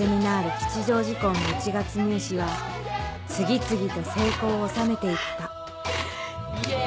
吉祥寺校の一月入試は次々と成功を収めて行ったイェイ！